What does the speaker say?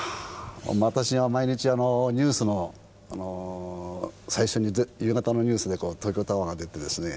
私は毎日ニュースの最初に夕方のニュースで東京タワーが出てですね